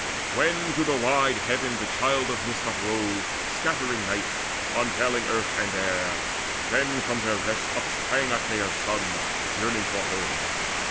When to wide heaven the Child of Mist uprose, Scattering night, unveiling earth and air, Then from their rest upsprang Achaea's sons Yearning for home.